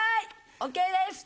ＯＫです！